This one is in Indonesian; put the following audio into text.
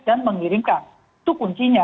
dan mengirimkan itu kuncinya